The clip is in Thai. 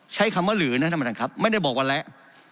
ใช้คำว่าหลือนะครับไม่ได้บอกว่าแหละ